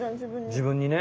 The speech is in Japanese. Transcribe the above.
自分にね。